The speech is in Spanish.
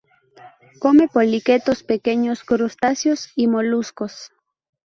Come poliquetos, pequeños crustáceos y moluscos.